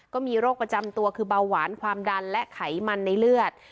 ก็มีโรคประจำตัวคือเบาหวานความดันและไขมันในเลือด